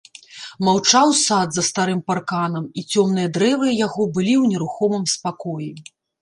Маўчаў сад за старым парканам, і цёмныя дрэвы яго былі ў нерухомым спакоі.